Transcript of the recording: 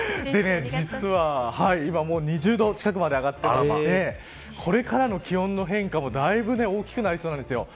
今は２０度近くまで上がっていてこれからの気温の変化もだいぶ大きくなりそうなんです。